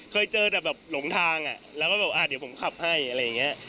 เคยเจอแต่แบบหลงทางแล้วก็แบบเดี๋ยวผมขับให้อะไรอย่างนี้